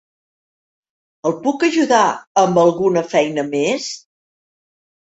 El puc ajudar amb alguna feina més?